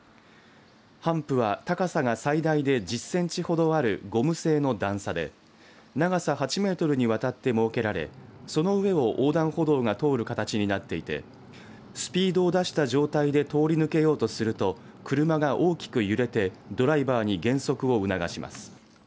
ハンプは高さが最大で１０センチほどあるゴム製の段差で長さ８メートルにわたって設けられその上を横断歩道が通る形になっていてスピードを出した状態で通り抜けようとすると車が大きく揺れてドライバーに減速を促します。